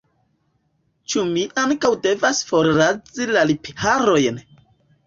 Ĉu mi ankaŭ devas forrazi la lipharojn?